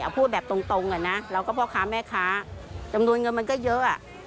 เอาพูดแบบตรงอย่างนั้นเราก็พ่อค้าแม่ค้าจำนวนเงินมันก็เยอะ